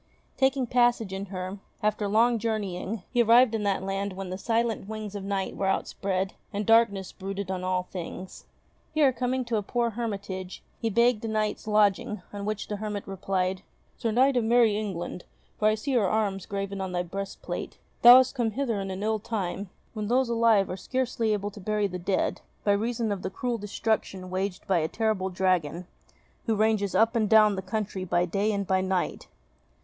Taking passage in her, after long journeying he arrived in that land when the silent wings of night were outspread, and darkness brooded on all things. Here, com ing to a poor hermitage, he begged a night's lodging, on which the hermit replied : "Sir Knight of Merrie England — for I see her arms graven on thy breastplate — thou hast come hither in an ill time, when those alive are scarcely able to bury the dead by reason of the cruel destruction waged by a terrible dragon, who ranges up and down the country by day and by night. ST.